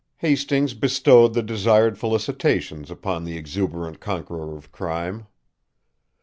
Hastings bestowed the desired felicitations upon the exuberant conqueror of crime.